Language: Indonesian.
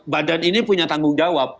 badan ini punya tanggung jawab